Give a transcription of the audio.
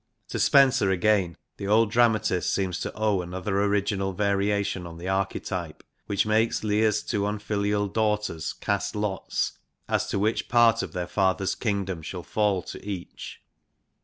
To Spenser I again the old dramatist seems to owe another original variation on the archetype, which makes Lear's two unfilial daughters cast lots as to which part of their father's kingdom INTRODUCTION xxxi shall fall to each.